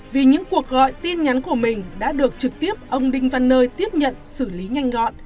vì những cuộc gọi tin nhắn của mình đã được trực tiếp ông đinh văn nơi tiếp nhận xử lý nhanh gọn